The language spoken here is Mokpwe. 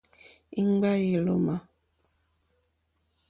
Íŋɡbâ ílómà.